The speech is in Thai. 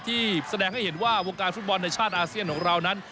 ที่แสดงให้เห็นว่าวงการฟุตบอลในชาติอาเซียนของเรานั้น